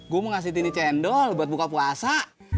gue mau ngasih tini cendol buat buka puasa